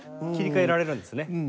切り替えられるんですね。